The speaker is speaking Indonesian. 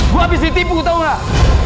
gua abis ditipu tau gak